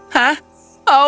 hah oh ternyata